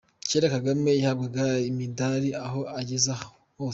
Cyera Kagame yahabwaga imidari aho ageze hose.